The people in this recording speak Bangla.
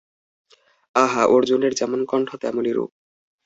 আহা, অর্জুনের যেমন কন্ঠ তেমনি রূপ।